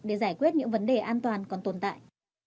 để giải quyết những vấn đề an toàn còn tồn tại